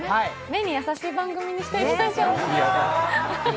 目に優しい番組にしていきましょう。